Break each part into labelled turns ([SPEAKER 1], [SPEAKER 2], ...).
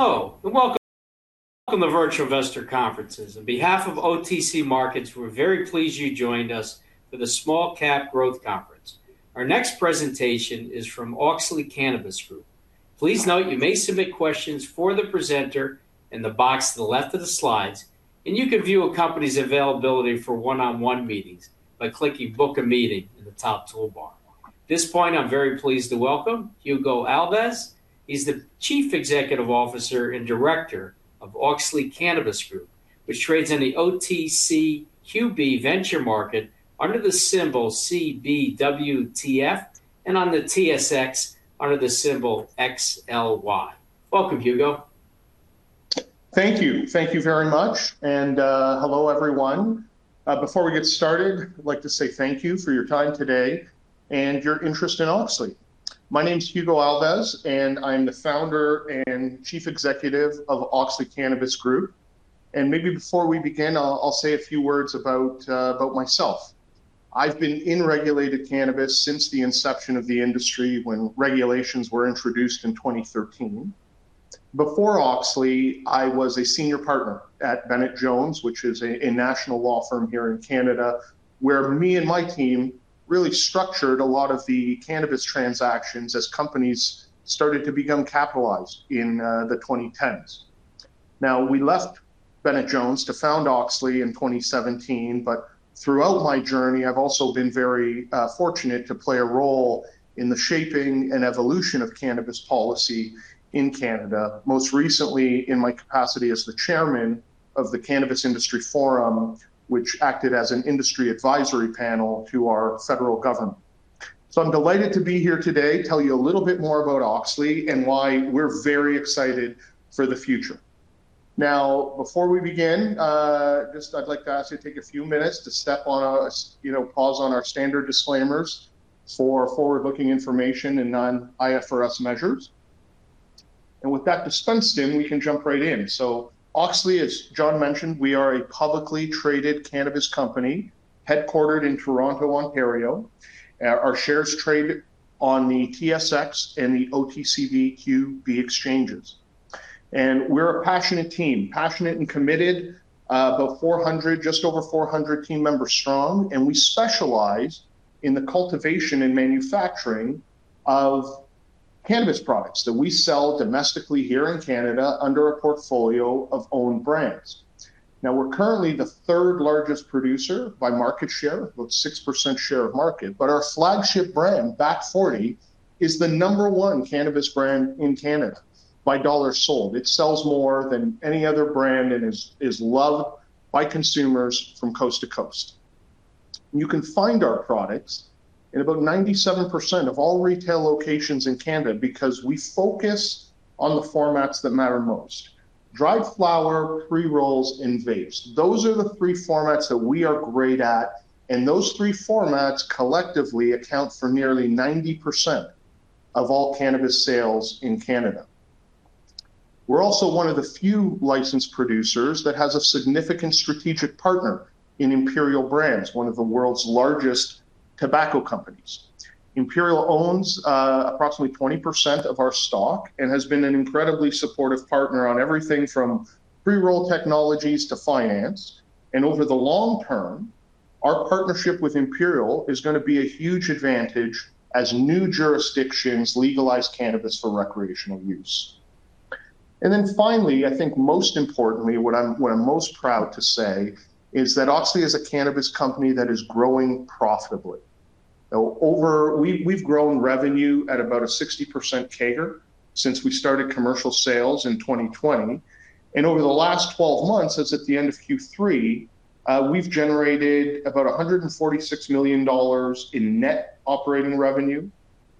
[SPEAKER 1] Hello and welcome to the Virtual Investor Conferences. On behalf of OTC Markets, we're very pleased you joined us for the Small Cap Growth Conference. Our next presentation is from Auxly Cannabis Group. Please note you may submit questions for the presenter in the box to the left of the slides, and you can view a company's availability for one-on-one meetings by clicking "Book a Meeting" in the top toolbar. At this point, I'm very pleased to welcome Hugo Alves. He's the Chief Executive Officer and Director of Auxly Cannabis Group, which trades in the OTCQB Venture Market under the symbol CBWTF and on the TSX under the symbol XLY. Welcome, Hugo.
[SPEAKER 2] Thank you. Thank you very much. And hello, everyone. Before we get started, I'd like to say thank you for your time today and your interest in Auxly. My name is Hugo Alves, and I'm the founder and Chief Executive of Auxly Cannabis Group. And maybe before we begin, I'll say a few words about myself. I've been in regulated cannabis since the inception of the industry when regulations were introduced in 2013. Before Auxly, I was a senior partner at Bennett Jones, which is a national law firm here in Canada, where me and my team really structured a lot of the cannabis transactions as companies started to become capitalized in the 2010s. Now, we left Bennett Jones to found Auxly in 2017, but throughout my journey, I've also been very fortunate to play a role in the shaping and evolution of cannabis policy in Canada, most recently in my capacity as the chairman of the Cannabis Industry Forum, which acted as an industry advisory panel to our federal government. So I'm delighted to be here today to tell you a little bit more about Auxly and why we're very excited for the future. Now, before we begin, I'd like to ask you to take a few minutes to step on a pause on our standard disclaimers for forward-looking information and non-IFRS measures. And with that dispensed with, we can jump right in. So Auxly, as John mentioned, we are a publicly traded cannabis company headquartered in Toronto, Ontario. Our shares trade on the TSX and the OTCQB exchanges. We're a passionate team, passionate and committed, about 400, just over 400 team members strong. We specialize in the cultivation and manufacturing of cannabis products that we sell domestically here in Canada under a portfolio of own brands. Now, we're currently the third largest producer by market share, about 6% share of market, but our flagship brand, Back Forty, is the number one cannabis brand in Canada by dollar sold. It sells more than any other brand and is loved by consumers from coast to coast. You can find our products in about 97% of all retail locations in Canada because we focus on the formats that matter most: dried flower, pre-rolls, and vapes. Those are the three formats that we are great at, and those three formats collectively account for nearly 90% of all cannabis sales in Canada. We're also one of the few licensed producers that has a significant strategic partner in Imperial Brands, one of the world's largest tobacco companies. Imperial owns approximately 20% of our stock and has been an incredibly supportive partner on everything from pre-roll technologies to finance. And over the long term, our partnership with Imperial is going to be a huge advantage as new jurisdictions legalize cannabis for recreational use. And then finally, I think most importantly, what I'm most proud to say is that Auxly is a cannabis company that is growing profitably. We've grown revenue at about a 60% CAGR since we started commercial sales in 2020. Over the last 12 months, as at the end of Q3, we've generated about 146 million dollars in net operating revenue,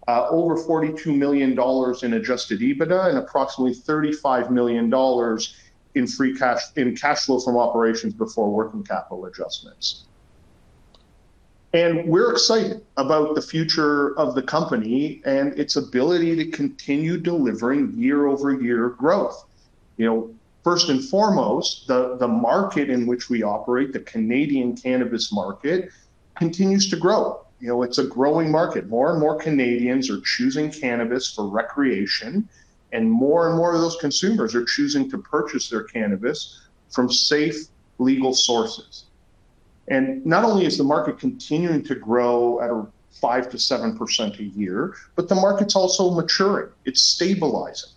[SPEAKER 2] over 42 million dollars in Adjusted EBITDA, and approximately 35 million dollars in free cash flow from operations before working capital adjustments. We're excited about the future of the company and its ability to continue delivering year-over-year growth. First and foremost, the market in which we operate, the Canadian cannabis market, continues to grow. It's a growing market. More and more Canadians are choosing cannabis for recreation, and more and more of those consumers are choosing to purchase their cannabis from safe legal sources. Not only is the market continuing to grow at 5%-7% a year, but the market's also maturing. It's stabilizing.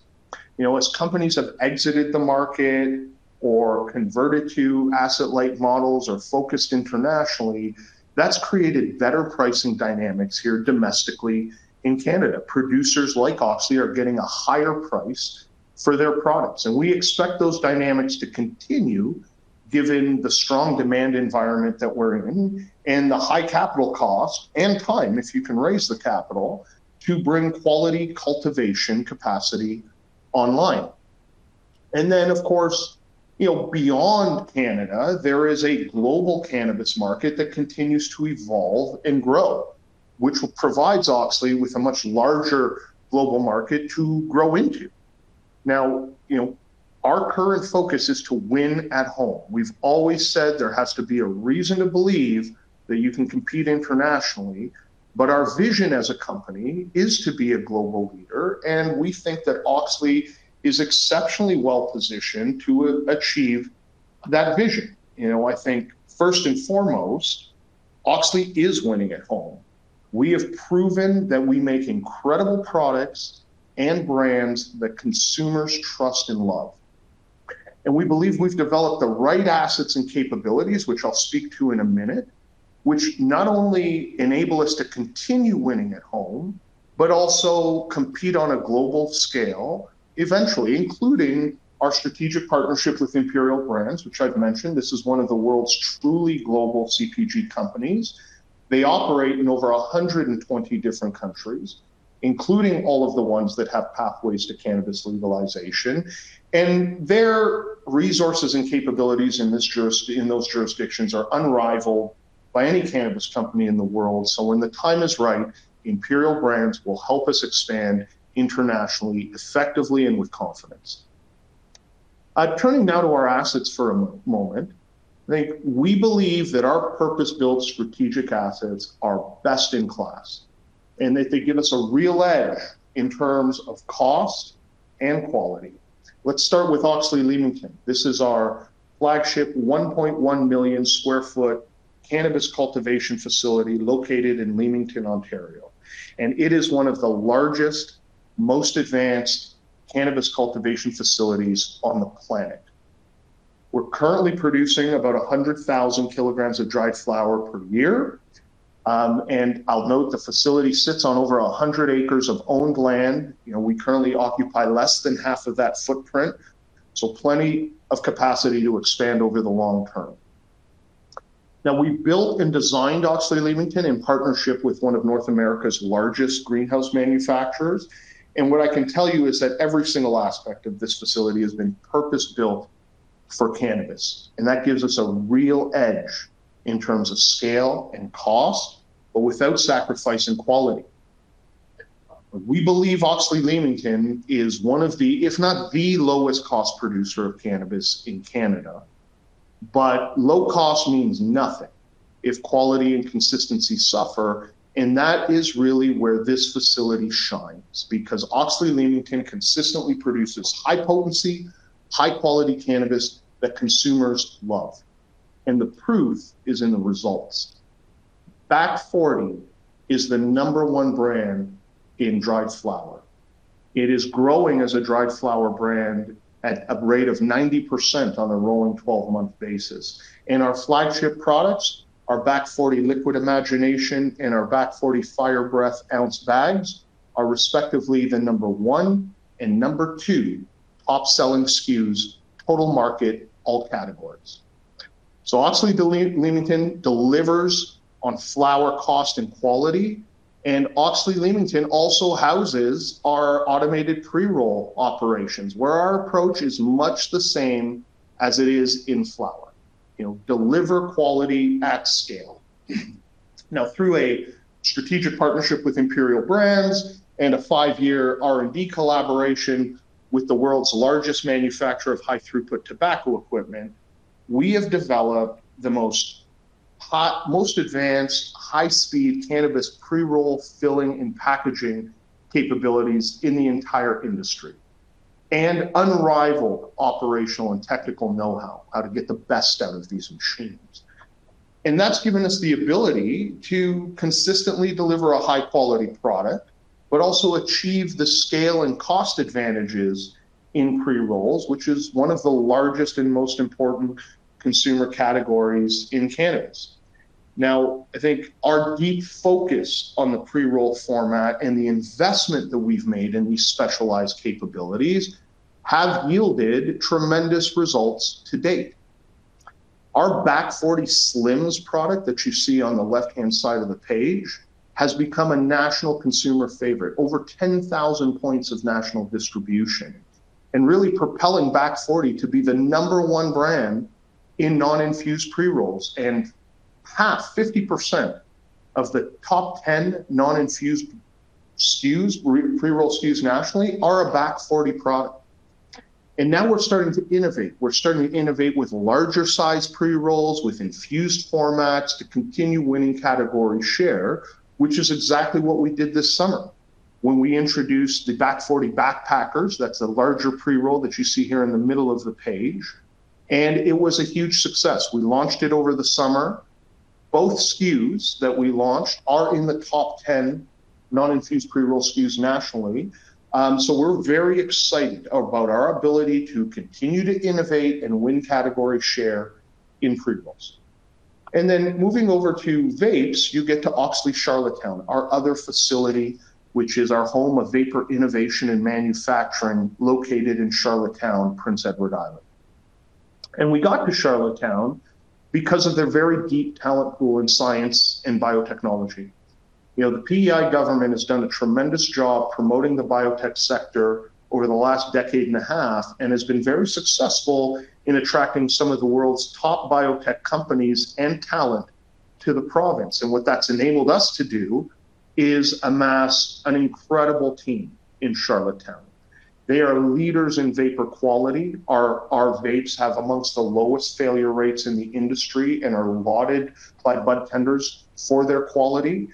[SPEAKER 2] As companies have exited the market or converted to asset-light models or focused internationally, that's created better pricing dynamics here domestically in Canada. Producers like Auxly are getting a higher price for their products. And we expect those dynamics to continue given the strong demand environment that we're in and the high capital cost and time, if you can raise the capital, to bring quality cultivation capacity online. And then, of course, beyond Canada, there is a global cannabis market that continues to evolve and grow, which provides Auxly with a much larger global market to grow into. Now, our current focus is to win at home. We've always said there has to be a reason to believe that you can compete internationally, but our vision as a company is to be a global leader. And we think that Auxly is exceptionally well positioned to achieve that vision. I think first and foremost, Auxly is winning at home. We have proven that we make incredible products and brands that consumers trust and love. We believe we've developed the right assets and capabilities, which I'll speak to in a minute, which not only enable us to continue winning at home, but also compete on a global scale eventually, including our strategic partnership with Imperial Brands, which I've mentioned. This is one of the world's truly global CPG companies. They operate in over 120 different countries, including all of the ones that have pathways to cannabis legalization. Their resources and capabilities in those jurisdictions are unrivaled by any cannabis company in the world. When the time is right, Imperial Brands will help us expand internationally effectively and with confidence. Turning now to our assets for a moment, I think we believe that our purpose-built strategic assets are best in class, and that they give us a real edge in terms of cost and quality. Let's start with Auxly Leamington. This is our flagship 1.1 million sq ft cannabis cultivation facility located in Leamington, Ontario. And it is one of the largest, most advanced cannabis cultivation facilities on the planet. We're currently producing about 100,000 kilograms of dried flower per year. And I'll note the facility sits on over 100 acres of owned land. We currently occupy less than half of that footprint, so plenty of capacity to expand over the long term. Now, we built and designed Auxly Leamington in partnership with one of North America's largest greenhouse manufacturers. And what I can tell you is that every single aspect of this facility has been purpose-built for cannabis. And that gives us a real edge in terms of scale and cost, but without sacrificing quality. We believe Auxly Leamington is one of the, if not the lowest cost producer of cannabis in Canada. But low cost means nothing if quality and consistency suffer. And that is really where this facility shines because Auxly Leamington consistently produces high potency, high-quality cannabis that consumers love. And the proof is in the results. Back Forty is the number one brand in dried flower. It is growing as a dried flower brand at a rate of 90% on a rolling 12-month basis. And our flagship products, our Back Forty Liquid Imagination and our Back Forty Fire Breath ounce bags, are respectively the number one and number two top-selling SKUs total market all categories. So Auxly Leamington delivers on flower cost and quality. Auxly Leamington also houses our automated pre-roll operations, where our approach is much the same as it is in flower: deliver quality at scale. Now, through a strategic partnership with Imperial Brands and a five-year R&D collaboration with the world's largest manufacturer of high-throughput tobacco equipment, we have developed the most advanced high-speed cannabis pre-roll, filling, and packaging capabilities in the entire industry and unrivaled operational and technical know-how on how to get the best out of these machines. That's given us the ability to consistently deliver a high-quality product, but also achieve the scale and cost advantages in pre-rolls, which is one of the largest and most important consumer categories in cannabis. Now, I think our deep focus on the pre-roll format and the investment that we've made in these specialized capabilities have yielded tremendous results to date. Our Back Forty Slims product that you see on the left-hand side of the page has become a national consumer favorite, over 10,000 points of national distribution, and really propelling Back Forty to be the number one brand in non-infused pre-rolls. And half, 50% of the top 10 non-infused SKUs, pre-roll SKUs nationally, are a Back Forty product. And now we're starting to innovate. We're starting to innovate with larger-sized pre-rolls, with infused formats to continue winning category share, which is exactly what we did this summer when we introduced the Back Forty Backpackers. That's the larger pre-roll that you see here in the middle of the page. And it was a huge success. We launched it over the summer. Both SKUs that we launched are in the top 10 non-infused pre-roll SKUs nationally. We're very excited about our ability to continue to innovate and win category share in pre-rolls. And then moving over to vapes, you get to Auxly Charlottetown, our other facility, which is our home of vapor innovation and manufacturing located in Charlottetown, Prince Edward Island. And we got to Charlottetown because of their very deep talent pool in science and biotechnology. The PEI government has done a tremendous job promoting the biotech sector over the last decade and a half and has been very successful in attracting some of the world's top biotech companies and talent to the province. And what that's enabled us to do is amass an incredible team in Charlottetown. They are leaders in vapor quality. Our vapes have among the lowest failure rates in the industry and are lauded by budtenders for their quality.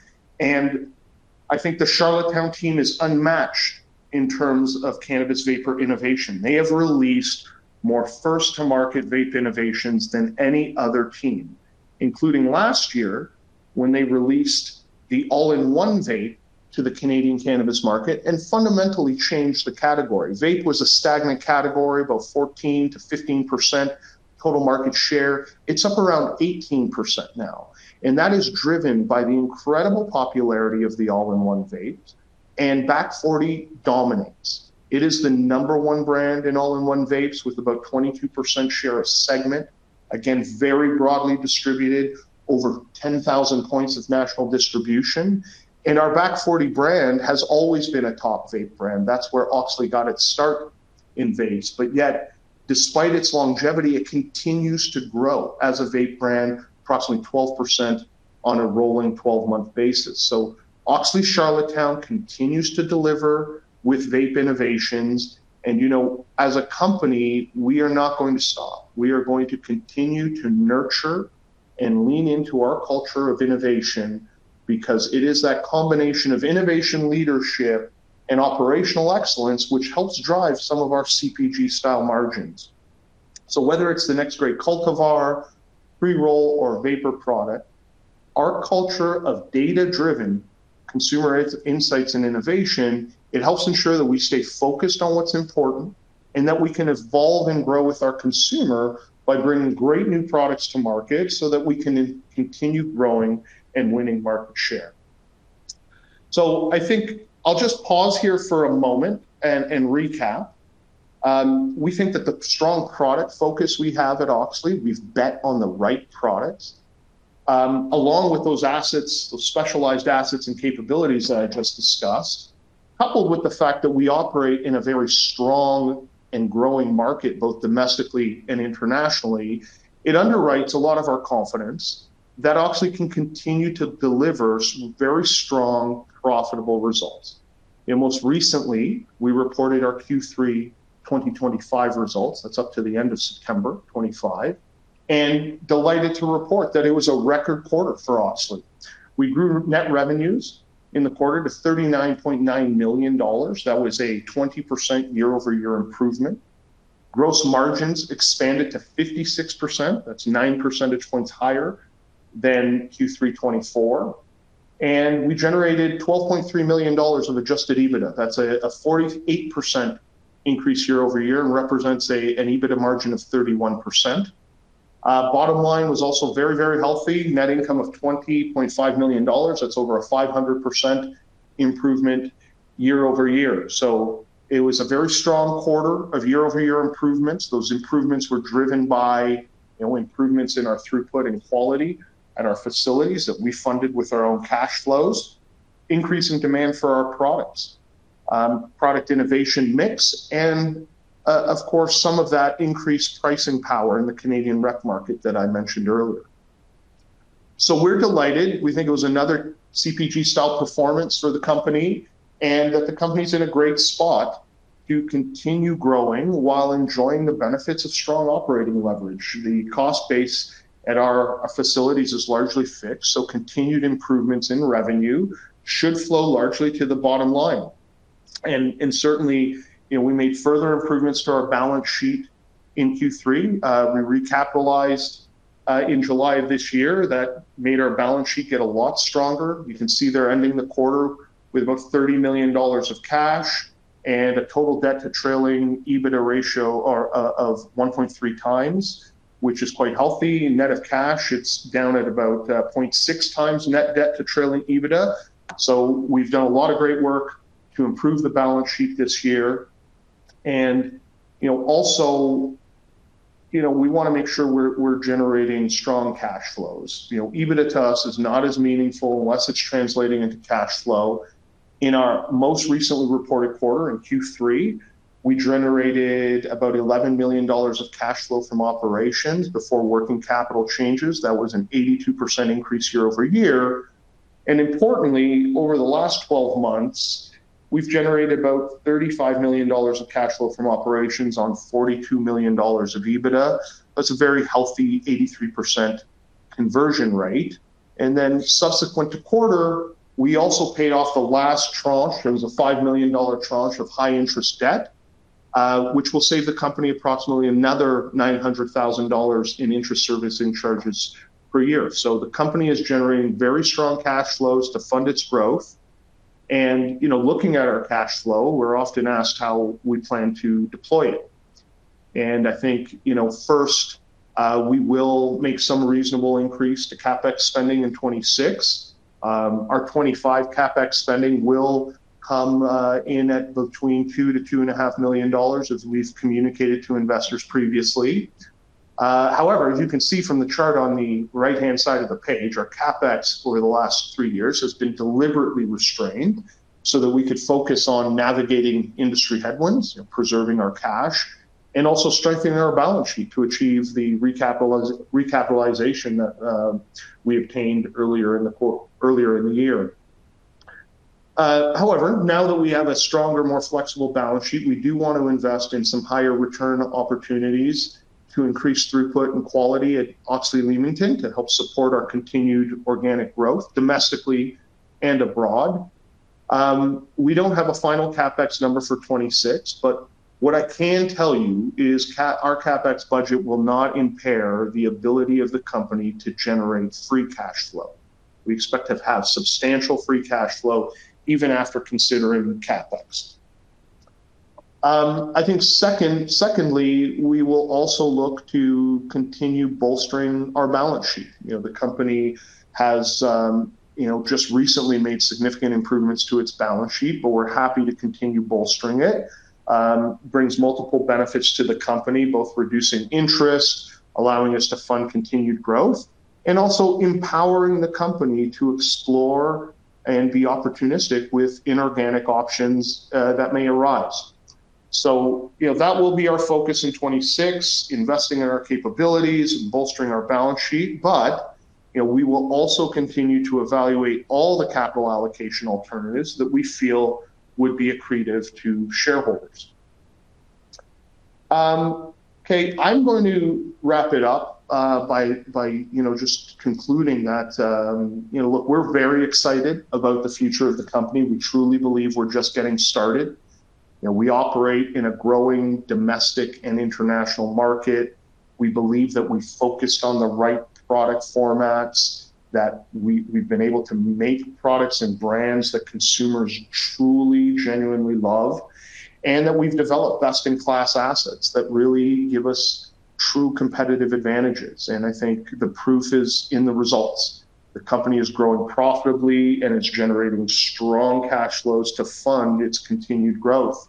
[SPEAKER 2] I think the Charlottetown team is unmatched in terms of cannabis vapor innovation. They have released more first-to-market vape innovations than any other team, including last year when they released the all-in-one vape to the Canadian cannabis market and fundamentally changed the category. Vape was a stagnant category, about 14%-15% total market share. It's up around 18% now. That is driven by the incredible popularity of the all-in-one vapes. Back Forty dominates. It is the number one brand in all-in-one vapes with about 22% share of segment. Again, very broadly distributed, over 10,000 points of national distribution. Our Back Forty brand has always been a top vape brand. That's where Auxly got its start in vapes. But yet, despite its longevity, it continues to grow as a vape brand, approximately 12% on a rolling 12-month basis. Auxly Charlottetown continues to deliver with vape innovations. As a company, we are not going to stop. We are going to continue to nurture and lean into our culture of innovation because it is that combination of innovation, leadership, and operational excellence, which helps drive some of our CPG-style margins. Whether it's the next great cultivar, pre-roll, or vapor product, our culture of data-driven consumer insights and innovation, it helps ensure that we stay focused on what's important and that we can evolve and grow with our consumer by bringing great new products to market so that we can continue growing and winning market share. I think I'll just pause here for a moment and recap. We think that the strong product focus we have at Auxly, we've bet on the right products, along with those assets, those specialized assets and capabilities that I just discussed, coupled with the fact that we operate in a very strong and growing market, both domestically and internationally, it underwrites a lot of our confidence that Auxly can continue to deliver some very strong, profitable results, and most recently, we reported our Q3 2025 results. That's up to the end of September 2025, and delighted to report that it was a record quarter for Auxly. We grew net revenues in the quarter to 39.9 million dollars. That was a 20% year-over-year improvement. Gross margins expanded to 56%. That's nine percentage points higher than Q3 2024, and we generated 12.3 million dollars of adjusted EBITDA. That's a 48% increase year-over-year and represents an EBITDA margin of 31%. Bottom line was also very, very healthy. Net income of 20.5 million dollars. That's over a 500% improvement year-over-year, so it was a very strong quarter of year-over-year improvements. Those improvements were driven by improvements in our throughput and quality at our facilities that we funded with our own cash flows, increasing demand for our products, product innovation mix, and, of course, some of that increased pricing power in the Canadian rec market that I mentioned earlier, so we're delighted. We think it was another CPG-style performance for the company and that the company's in a great spot to continue growing while enjoying the benefits of strong operating leverage. The cost base at our facilities is largely fixed, so continued improvements in revenue should flow largely to the bottom line, and certainly, we made further improvements to our balance sheet in Q3. We recapitalized in July of this year. That made our balance sheet get a lot stronger. You can see they're ending the quarter with about 30 million dollars of cash and a total debt-to-trailing EBITDA ratio of 1.3x, which is quite healthy. Net of cash, it's down at about 0.6 times net debt-to-trailing EBITDA. So we've done a lot of great work to improve the balance sheet this year. And also, we want to make sure we're generating strong cash flows. EBITDA to us is not as meaningful unless it's translating into cash flow. In our most recently reported quarter, in Q3, we generated about 11 million dollars of cash flow from operations before working capital changes. That was an 82% increase year-over-year. And importantly, over the last 12 months, we've generated about 35 million dollars of cash flow from operations on 42 million dollars of EBITDA. That's a very healthy 83% conversion rate. And then subsequent to quarter, we also paid off the last tranche. It was a 5 million dollar tranche of high-interest debt, which will save the company approximately another 900,000 dollars in interest service and charges per year. So the company is generating very strong cash flows to fund its growth. And looking at our cash flow, we're often asked how we plan to deploy it. And I think first, we will make some reasonable increase to CapEx spending in 2026. Our 2025 CapEx spending will come in at between 2 million-2.5 million dollars, as we've communicated to investors previously. However, as you can see from the chart on the right-hand side of the page, our CapEx over the last three years has been deliberately restrained so that we could focus on navigating industry headwinds, preserving our cash, and also strengthening our balance sheet to achieve the recapitalization that we obtained earlier in the year. However, now that we have a stronger, more flexible balance sheet, we do want to invest in some higher return opportunities to increase throughput and quality at Auxly Leamington to help support our continued organic growth domestically and abroad. We don't have a final CapEx number for 2026, but what I can tell you is our CapEx budget will not impair the ability of the company to generate free cash flow. We expect to have substantial free cash flow even after considering CapEx. I think secondly, we will also look to continue bolstering our balance sheet. The company has just recently made significant improvements to its balance sheet, but we're happy to continue bolstering it. It brings multiple benefits to the company, both reducing interest, allowing us to fund continued growth, and also empowering the company to explore and be opportunistic with inorganic options that may arise. So that will be our focus in 2026, investing in our capabilities and bolstering our balance sheet. But we will also continue to evaluate all the capital allocation alternatives that we feel would be accretive to shareholders. Okay. I'm going to wrap it up by just concluding that we're very excited about the future of the company. We truly believe we're just getting started. We operate in a growing domestic and international market. We believe that we focused on the right product formats, that we've been able to make products and brands that consumers truly, genuinely love, and that we've developed best-in-class assets that really give us true competitive advantages. And I think the proof is in the results. The company is growing profitably, and it's generating strong cash flows to fund its continued growth.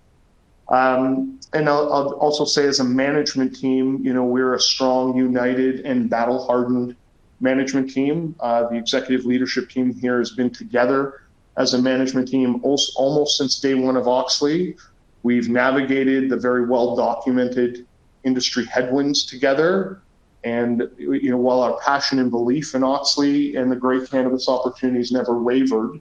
[SPEAKER 2] And I'll also say, as a management team, we're a strong, united, and battle-hardened management team. The executive leadership team here has been together as a management team almost since day one of Auxly. We've navigated the very well-documented industry headwinds together. And while our passion and belief in Auxly and the great cannabis opportunities never wavered,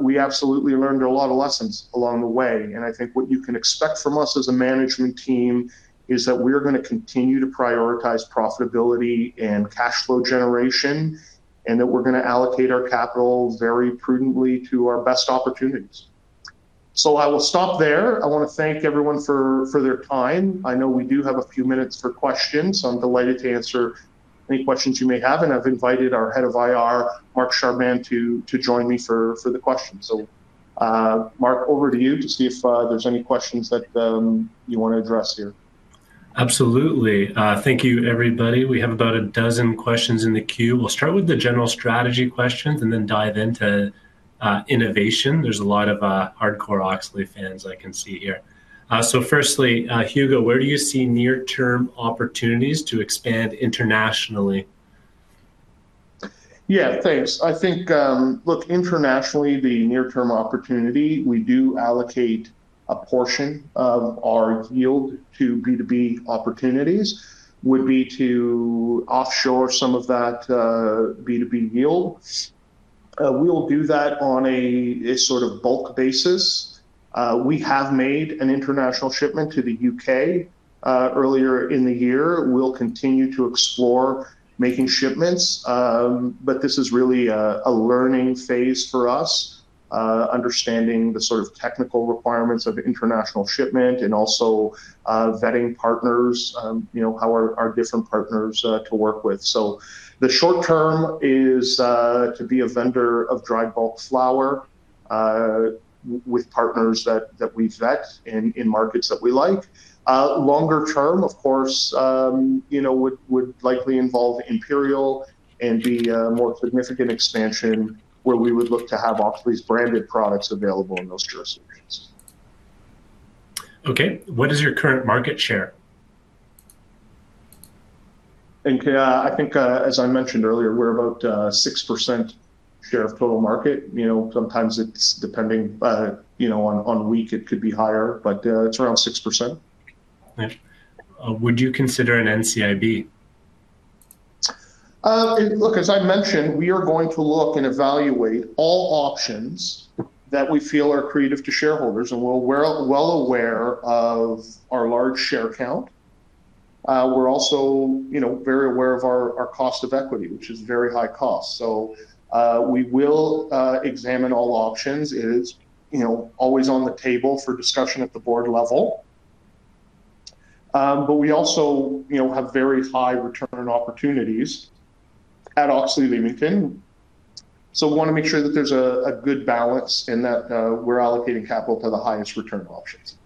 [SPEAKER 2] we absolutely learned a lot of lessons along the way. And I think what you can expect from us as a management team is that we're going to continue to prioritize profitability and cash flow generation and that we're going to allocate our capital very prudently to our best opportunities. So I will stop there. I want to thank everyone for their time. I know we do have a few minutes for questions. I'm delighted to answer any questions you may have. And I've invited our head of IR, Mark Sherman, to join me for the questions. So, Mark, over to you to see if there's any questions that you want to address here.
[SPEAKER 3] Absolutely. Thank you, everybody. We have about a dozen questions in the queue. We'll start with the general strategy questions and then dive into innovation. There's a lot of hardcore Auxly fans I can see here. So firstly, Hugo, where do you see near-term opportunities to expand internationally?
[SPEAKER 2] Yeah, thanks. I think, look, internationally, the near-term opportunity we do allocate a portion of our yield to B2B opportunities would be to offshore some of that B2B yield. We'll do that on a sort of bulk basis. We have made an international shipment to the U.K. earlier in the year. We'll continue to explore making shipments. But this is really a learning phase for us, understanding the sort of technical requirements of international shipment and also vetting partners, how are our different partners to work with. So the short term is to be a vendor of dry bulk flower with partners that we vet in markets that we like. Longer term, of course, would likely involve Imperial and be a more significant expansion where we would look to have Auxly's branded products available in those jurisdictions.
[SPEAKER 3] Okay. What is your current market share?
[SPEAKER 2] I think, as I mentioned earlier, we're about 6% share of total market. Sometimes it's depending on week. It could be higher, but it's around 6%.
[SPEAKER 3] Would you consider an NCIB?
[SPEAKER 2] Look, as I mentioned, we are going to look and evaluate all options that we feel are accretive to shareholders, and we're well aware of our large share count. We're also very aware of our cost of equity, which is very high cost, so we will examine all options. It is always on the table for discussion at the board level, but we also have very high return opportunities at Auxly Leamington, so we want to make sure that there's a good balance and that we're allocating capital to the highest return options.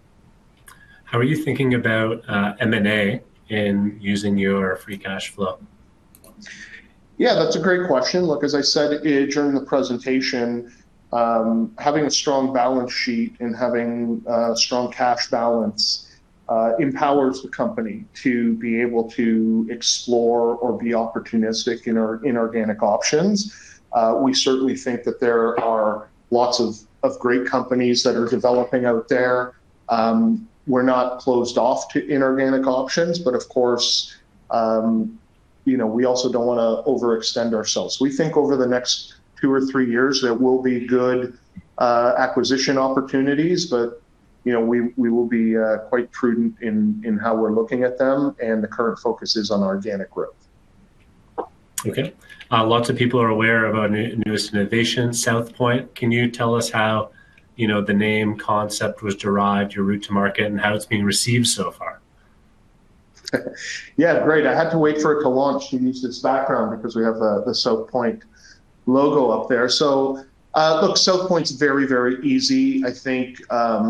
[SPEAKER 3] How are you thinking about M&A and using your free cash flow?
[SPEAKER 2] Yeah, that's a great question. Look, as I said during the presentation, having a strong balance sheet and having a strong cash balance empowers the company to be able to explore or be opportunistic in organic options. We certainly think that there are lots of great companies that are developing out there. We're not closed off to inorganic options, but of course, we also don't want to overextend ourselves. We think over the next two or three years there will be good acquisition opportunities, but we will be quite prudent in how we're looking at them, and the current focus is on organic growth.
[SPEAKER 3] Okay. Lots of people are aware of our newest innovation, Southpoint. Can you tell us how the name concept was derived, your route to market, and how it's being received so far?
[SPEAKER 2] Yeah, great. I had to wait for it to launch to use its background because we have the Southpoint logo up there. So look, Southpoint's very, very easy. I think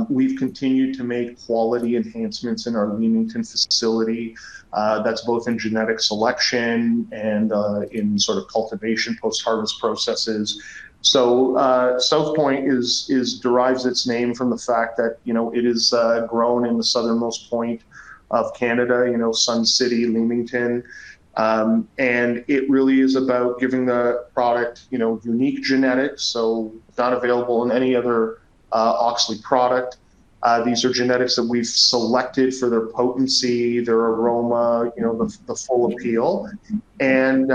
[SPEAKER 2] we've continued to make quality enhancements in our Leamington facility. That's both in genetic selection and in sort of cultivation post-harvest processes. So Southpoint derives its name from the fact that it is grown in the southernmost point of Canada, Sun City, Leamington. And it really is about giving the product unique genetics. So not available in any other Auxly product. These are genetics that we've selected for their potency, their aroma, the full appeal. And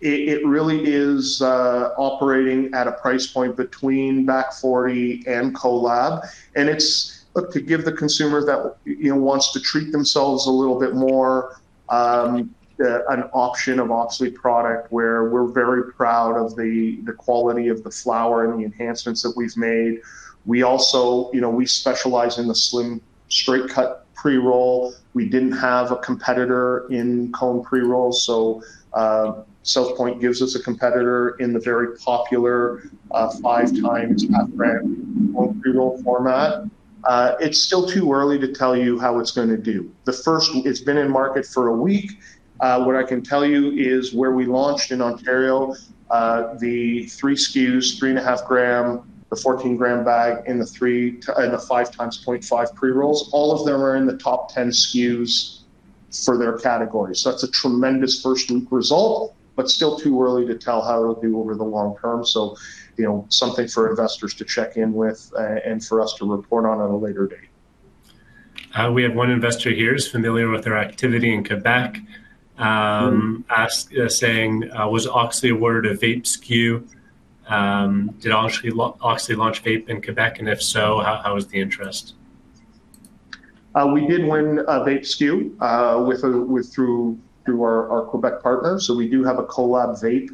[SPEAKER 2] it really is operating at a price point between Back Forty and Kolab. And it's, look, to give the consumer that wants to treat themselves a little bit more an option of Auxly product where we're very proud of the quality of the flower and the enhancements that we've made. We specialize in the slim straight cut pre-roll. We didn't have a competitor in cone pre-roll. So Southpoint gives us a competitor in the very popular 5x half-gram cone pre-roll format. It's still too early to tell you how it's going to do. It's been in market for a week. What I can tell you is where we launched in Ontario, the three SKUs, 3.5 gram, the 14 gram bag, and the 5x 0.5 pre-rolls, all of them are in the top 10 SKUs for their category. So that's a tremendous first-week result, but still too early to tell how it'll do over the long term. So something for investors to check in with and for us to report on at a later date.
[SPEAKER 3] We have one investor here who's familiar with their activity in Quebec saying, "Was Auxly awarded a vape SKU? Did Auxly launch vape in Quebec? And if so, how was the interest?
[SPEAKER 2] We did win a vape SKU through our Quebec partners, so we do have a Kolab vape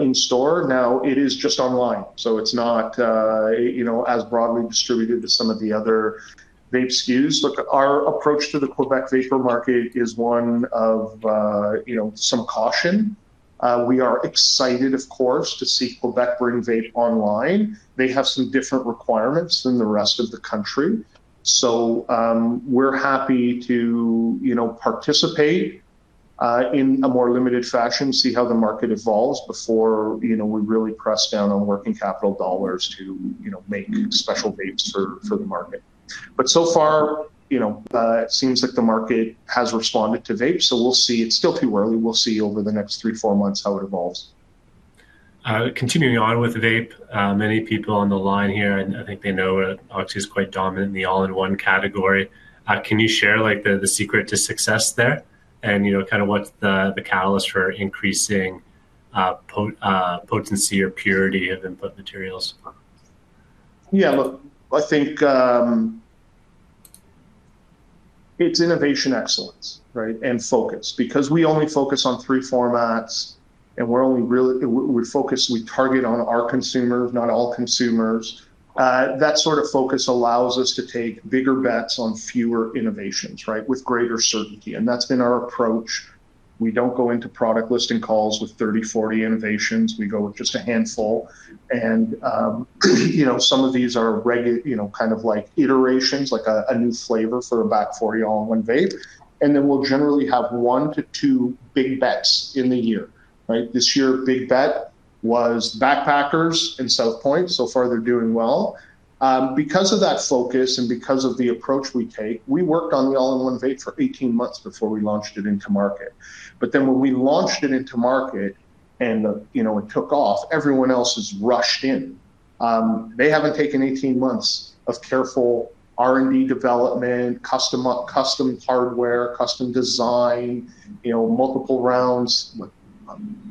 [SPEAKER 2] in store. Now, it is just online, so it's not as broadly distributed as some of the other vape SKUs. Look, our approach to the Quebec vapor market is one of some caution. We are excited, of course, to see Quebec bring vape online. They have some different requirements than the rest of the country, so we're happy to participate in a more limited fashion, see how the market evolves before we really press down on working capital dollars to make special vapes for the market, but so far, it seems like the market has responded to vape, so we'll see. It's still too early. We'll see over the next three, four months how it evolves.
[SPEAKER 3] Continuing on with vape, many people on the line here, and I think they know Auxly is quite dominant in the all-in-one category. Can you share the secret to success there and kind of what's the catalyst for increasing potency or purity of input materials?
[SPEAKER 2] Yeah, look, I think it's innovation excellence, right, and focus. Because we only focus on three formats and we're only really target on our consumers, not all consumers. That sort of focus allows us to take bigger bets on fewer innovations, right, with greater certainty, and that's been our approach. We don't go into product listing calls with 30, 40 innovations. We go with just a handful. And some of these are kind of like iterations, like a new flavor for a Back Forty all-in-one vape. And then we'll generally have one to two big bets in the year. This year, big bet was Backpackers and Southpoint. So far, they're doing well. Because of that focus and because of the approach we take, we worked on the all-in-one vape for 18 months before we launched it into market. But then when we launched it into market and it took off, everyone else has rushed in. They haven't taken 18 months of careful R&D development, custom hardware, custom design, multiple rounds,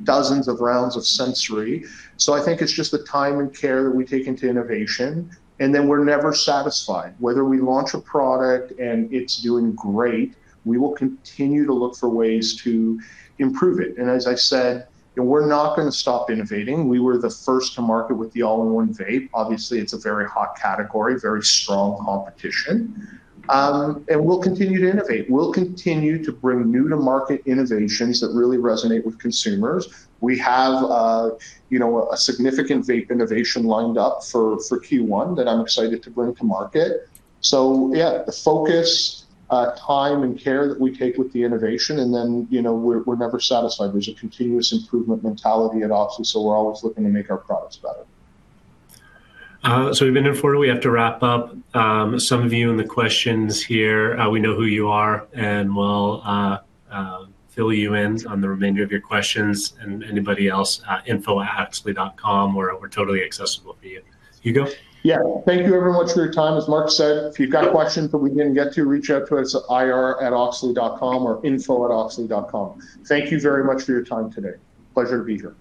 [SPEAKER 2] dozens of rounds of sensory. So I think it's just the time and care that we take into innovation. And then we're never satisfied. Whether we launch a product and it's doing great, we will continue to look for ways to improve it. And as I said, we're not going to stop innovating. We were the first to market with the all-in-one vape. Obviously, it's a very hot category, very strong competition. And we'll continue to innovate. We'll continue to bring new-to-market innovations that really resonate with consumers. We have a significant vape innovation lined up for Q1 that I'm excited to bring to market. So yeah, the focus, time, and care that we take with the innovation. We're never satisfied. There's a continuous improvement mentality at Auxly. We're always looking to make our products better.
[SPEAKER 3] So we've been in for a wee after wrap-up. Some of you in the questions here, we know who you are and will fill you in on the remainder of your questions. And anybody else, info@auxly.com, we're totally accessible for you. Hugo?
[SPEAKER 2] Yeah. Thank you everyone for your time. As Mark said, if you've got questions that we didn't get to, reach out to us at ir@auxly.com or info@auxly.com. Thank you very much for your time today. Pleasure to be here.